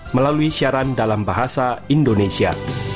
melalui siaran dalam bahasa indonesia